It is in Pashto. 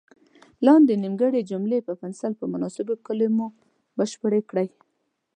لاندې نیمګړې جملې په پنسل په مناسبو کلمو بشپړې کړئ.